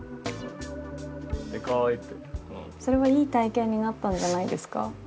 それはいい体験になったんじゃないですか？